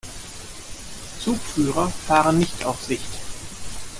Zugführer fahren nicht auf Sicht.